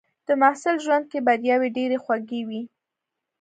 د محصل ژوند کې بریاوې ډېرې خوږې وي.